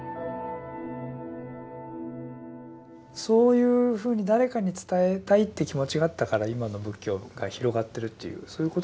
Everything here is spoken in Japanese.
そういうふうに誰かに伝えたいって気持ちがあったから今の仏教が広がってるっていうそういうことなんでしょうね。